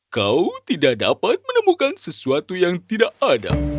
kau tidak dapat menemukan sesuatu yang tidak ada